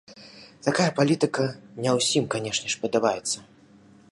Такая палітыка не ўсім, канешне ж, падабаецца.